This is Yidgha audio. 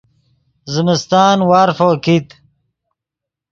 زمستان وارفو کیت